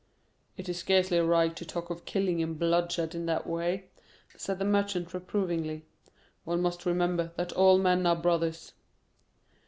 "It is scarcely right to talk of killing and bloodshed in that way," said the Merchant reprovingly; "one must remember that all men are brothers."